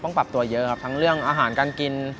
ปรับตัวเยอะครับทั้งเรื่องอาหารการกิน